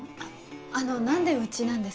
あの何でうちなんですか？